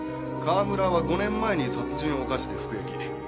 川村は５年前に殺人を犯して服役。